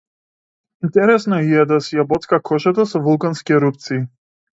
Интересно и е да си ја боцка кожата со вулкански ерупции.